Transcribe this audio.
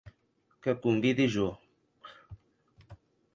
Que convidi jo.